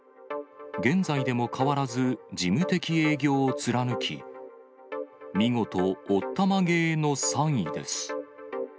現在でも変わらず、事務的営業を貫き、見事おったまげーの３位です。